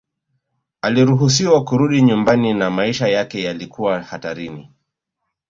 Aliruhusiwa kurudi nyumbani na maisha yake yalikuwa hatarini